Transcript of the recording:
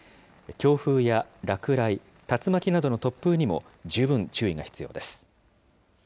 強風や落雷、竜巻などの突風にも十分注意が必要です。